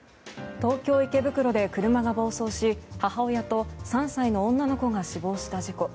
東京・池袋で車が暴走し母親と３歳の女の子が死亡した事故。